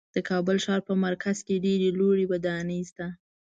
د کابل ښار په مرکز کې ډېرې لوړې ودانۍ شته.